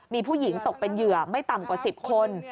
มีผู้หญิงตกเป็นเหยื่อไม่ต่ำกว่า๑๐คน